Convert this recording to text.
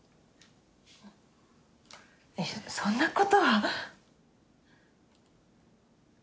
そそんなことは。